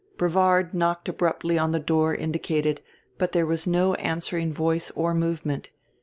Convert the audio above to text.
Brevard knocked abruptly on the door indicated but there was no answering voice or movement.